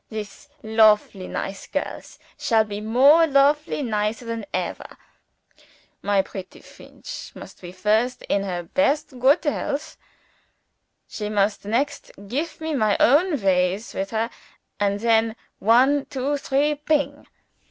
This lofable nice girls shall be more lofable nicer than ever. My pretty Feench must be first in her best goot health. She must next gif me my own ways with her and then one, two, three ping!